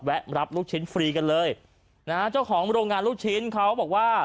รับลูกชิ้นฟรีกันเลยนะฮะเจ้าของโรงงานลูกชิ้นเขาบอกว่า